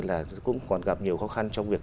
là cũng còn gặp nhiều khó khăn trong việc